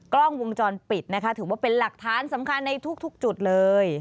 กล้องวงจรปิดนะคะถือว่าเป็นหลักฐานสำคัญในทุกจุดเลย